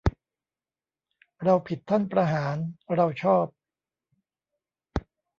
เราผิดท่านประหาร เราชอบ